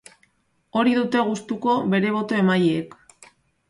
Hori dute gustuko bere boto-emaileek.